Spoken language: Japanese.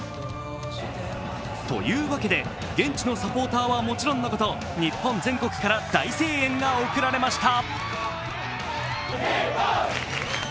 というわけで、現地のサポーターはもちろんのこと、日本全国から大声援が送られました。